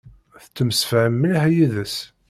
Tettemsefham mliḥ yid-s.